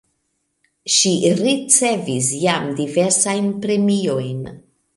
Ŝi ricevis jam diversajn premiojn.